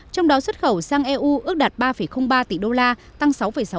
trong đó xuất khẩu sang eu ước đạt ba ba tỷ đô la tăng sáu sáu